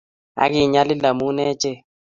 Ak kinyalil amu achek.